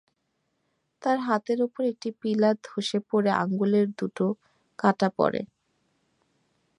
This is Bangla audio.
তাঁর হাতের ওপর একটি পিলার ধসে পড়ে আঙুল দুটো কাটা পড়ে।